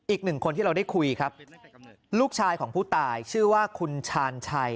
อีกหนึ่งคนที่เราได้คุยครับลูกชายของผู้ตายชื่อว่าคุณชาญชัย